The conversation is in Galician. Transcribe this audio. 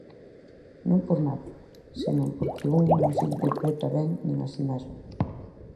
Non por nada, senón porque un non se interpreta ben nin a si mesmo.